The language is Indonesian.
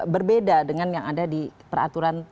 berbeda dengan yang ada di peraturan